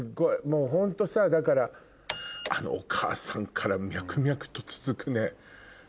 もうホントさだからあのお母さんから脈々と続くね。